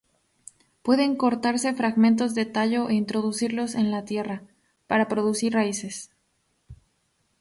Pueden cortarse fragmentos de tallo e introducirlos en la tierra, para producir raíces.